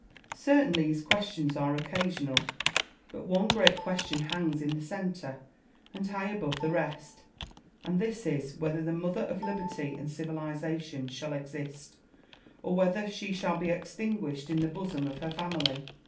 Certainly his questions are occasional : but one great question hangs in the centre, and high above the rest ; and this is, whether the Mother of liberty and civilisa tion shall exist, or whether she shall be extinguished in the bosom of her family.